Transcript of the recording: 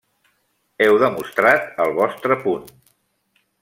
Heu demostrat el vostre punt.